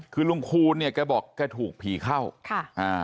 คือลุงคูณก็บอกถูกผีเข้าค่ะ